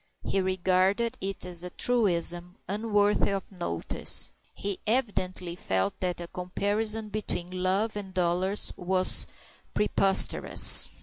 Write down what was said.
He regarded it as a truism unworthy of notice; he evidently felt that a comparison between love and dollars was preposterous.